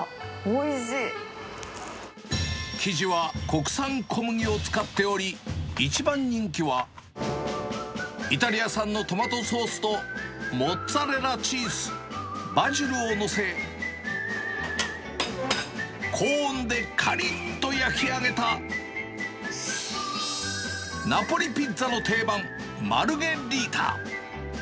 生地は国産小麦を使っており、一番人気は、イタリア産のトマトソースとモッツァレラチーズ、バジルを載せ、高温でかりっと焼き上げたナポリピッツァの定番、マルゲリータ。